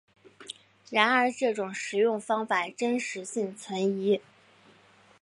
然而这种食用方法真实性存疑。